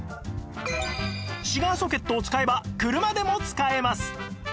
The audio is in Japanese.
シガーソケットを使えば車でも使えます